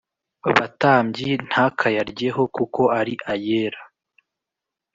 batambyi ntakayaryeho kuko ari ayera